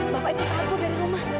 bapak itu kabur dari rumah